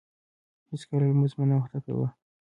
هیڅکله لمونځ مه ناوخته کاوه.